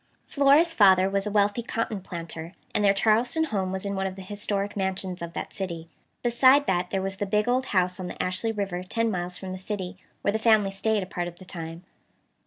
Flora's father was a wealthy cotton planter, and their Charleston home was in one of the historic mansions of that city. Beside that there was the big old house on the Ashley River ten miles from the city, where the family stayed a part of the time.